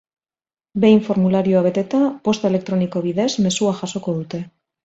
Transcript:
Behin formularioa beteta, posta elektroniko bidez mezua jasoko dute.